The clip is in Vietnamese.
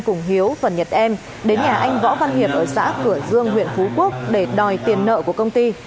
cùng hiếu và nhật em đến nhà anh võ văn hiệp ở xã cửa dương huyện phú quốc để đòi tiền nợ của công ty